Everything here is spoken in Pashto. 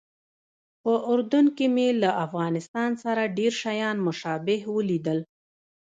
په اردن کې مې له افغانستان سره ډېر شیان مشابه ولیدل.